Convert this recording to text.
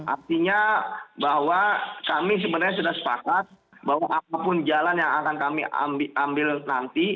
artinya bahwa kami sebenarnya sudah sepakat bahwa apapun jalan yang akan kami ambil nanti